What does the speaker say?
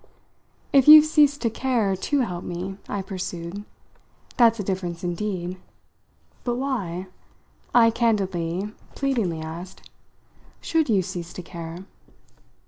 If you've ceased to care to help me," I pursued, "that's a difference indeed. But why," I candidly, pleadingly asked, "should you cease to care?"